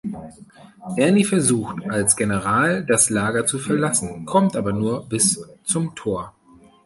Ernie versucht, als General das Lager zu verlassen, kommt aber nur bis zum Tor.